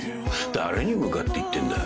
誰に向かって言ってんだ。